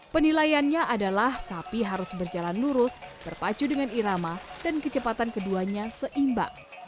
penilaiannya adalah sapi harus berjalan lurus berpacu dengan irama dan kecepatan keduanya seimbang